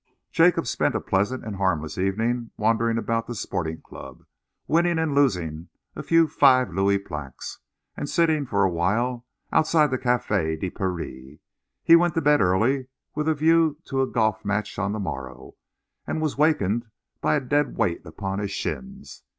Jacob spent a pleasant and a harmless evening wandering about the Sporting Club, winning and losing a few five louis plaques, and sitting for a while outside the Café de Paris. He went to bed early, with a view to a golf match on the morrow, and was wakened by a dead weight upon his shins.